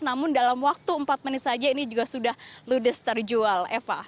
namun dalam waktu empat menit saja ini juga sudah ludes terjual eva